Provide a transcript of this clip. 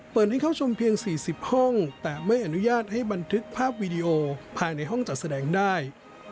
เปิดให้เข้าชมเพียง๔๐ห้องแต่ไม่อนุญาตให้บันทึกภาพวีดีโอภายในห้องจัดแสดงได้